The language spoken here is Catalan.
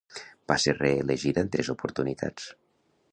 Va ser reelegida en tres oportunitats.